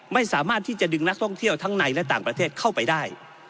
ไม่สามารถที่จะดึงนักท่องเที่ยวทั้งในและต่างประเทศเข้าไปได้